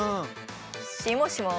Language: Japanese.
しもしも？